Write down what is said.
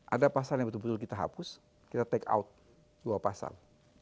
ada pasal yang betul betul kita hapus kita take out dua pasal